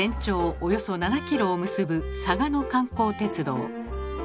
およそ７ｋｍを結ぶ嵯峨野観光鉄道。